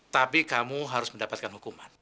tapi kamu harus mendapatkan hukuman